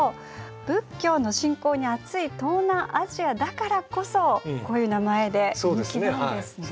仏教の信仰にあつい東南アジアだからこそこういう名前で人気なんですね。